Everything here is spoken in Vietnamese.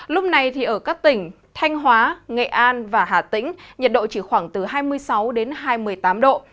lúc này thì ở các tỉnh thanh hóa nghệ an và hà tĩnh nhiệt độ chỉ khoảng từ hai mươi sáu đến hai mươi tám độ